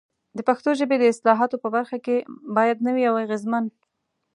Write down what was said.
د پښتو ژبې د اصطلاحاتو په برخه کې باید نوي او اغېزمن